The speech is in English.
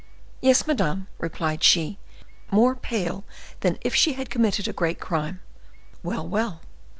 "Yes, madame," replied she, more pale than if she had committed a great crime. "Well, well!"